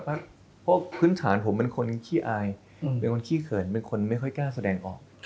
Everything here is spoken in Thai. เพราะพื้นฐานผมเป็นคนขี้อายเป็นคนขี้เขินเป็นคนไม่ค่อยกล้าแสดงออก